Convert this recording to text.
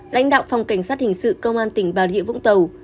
lãnh đạo phòng cảnh sát hình sự công an tỉnh bà rịa vũng tàu